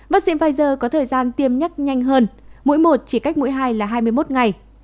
vaccine pfizer có thời gian tiêm nhắc nhanh hơn mỗi một chỉ cách mũi hai là hai mươi một ngày